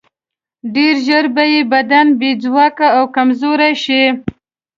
ډېر ژر به یې بدن بې ځواکه او کمزوری شي.